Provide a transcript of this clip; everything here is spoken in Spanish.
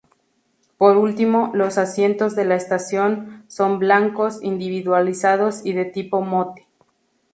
Por último, los asientos de la estación, son blancos, individualizados y de tipo "Motte".